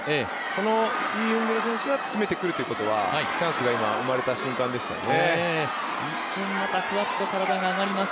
このイ・ウンギョル選手が詰めてくるということはチャンスが今、生まれた瞬間でしたよね。